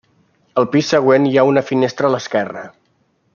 Al pis següent hi ha una finestra a l'esquerra.